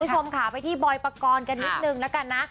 คุณผู้ชมค่ะไปที่บอยปกรณ์กันนิดนึงแล้วกันนะ